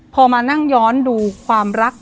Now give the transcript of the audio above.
พอมานั่งย้อนดูความรัก